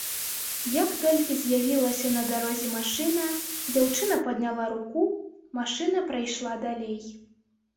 Як толькі з'явілася на дарозе машына, дзяўчына падняла руку, машына прайшла далей.